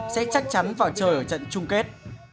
sẽ chắc chắn và chờ ở trận chung kết